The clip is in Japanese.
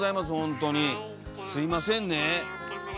すいませんね。